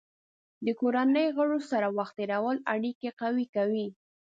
د کورنۍ غړو سره وخت تېرول اړیکې قوي کوي.